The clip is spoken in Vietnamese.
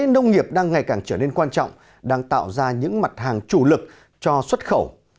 nông nghiệp đang ngày càng trở nên quan trọng đang tạo ra những mặt hàng chủ lực cho xuất khẩu